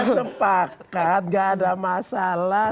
sempakat gak ada masalah